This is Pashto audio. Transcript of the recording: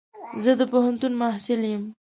زه د پوهنتون محصل يم.